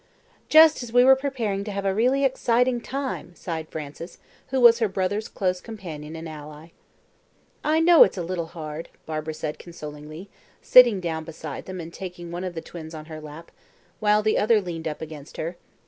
"Just as we were preparing to have a really exciting time," sighed Frances, who was her brother's close companion and ally. "I know it's a little hard," Barbara said consolingly, sitting down beside them and taking one of the twins on her lap, while the other leaned up against her.